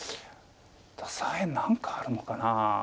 左辺何かあるのかな。